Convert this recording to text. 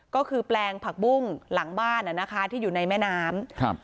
ก็คือแปลงผักบุ้งหลังบ้านที่อยู่ในแม่น้ำ